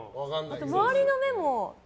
周りの目も。